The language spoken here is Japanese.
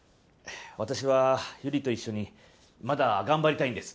私は悠里と一緒にまだ頑張りたいんです。